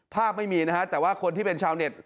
ไม่มีนะฮะแต่ว่าคนที่เป็นชาวเน็ต